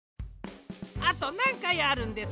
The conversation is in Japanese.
あとなんかいあるんです？